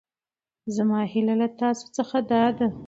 زما هېله له تاسو څخه دا ده.